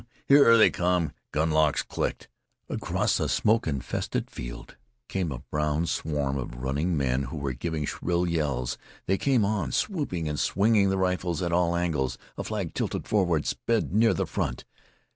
Here they come!" Gun locks clicked. Across the smoke infested fields came a brown swarm of running men who were giving shrill yells. They came on, stooping and swinging their rifles at all angles. A flag, tilted forward, sped near the front.